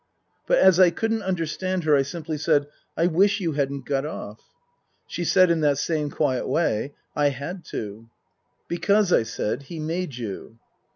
But as I couldn't understand her I simply said, " I wish you hadn't got off." She said in that same quiet way, " I had to." " Because," I said, " he made you."